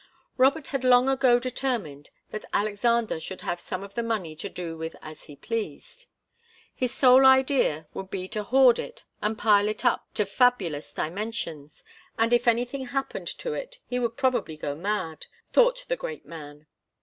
Robert had long ago determined that Alexander should have some of the money to do with as he pleased. His sole idea would be to hoard it and pile it up to fabulous dimensions, and if anything happened to it he would probably go mad, thought the great man.